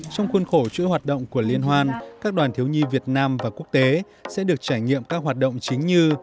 trong khuôn khổ chuỗi hoạt động của liên hoan các đoàn thiếu nhi việt nam và quốc tế sẽ được trải nghiệm các hoạt động chính như